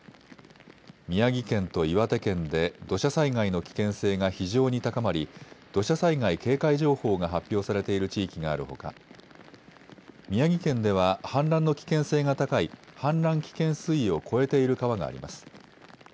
宮城県と岩手県で土砂災害の危険性が非常に高まり土砂災害警戒情報が発表されている地域があるほか宮城県では氾濫の危険性が高い氾濫危険水位を超えている川があります。